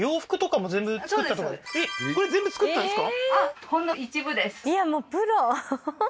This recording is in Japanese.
これ全部作ったんですか？